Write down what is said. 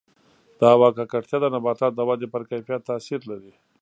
د هوا ککړتیا د نباتاتو د ودې پر کیفیت تاثیر لري.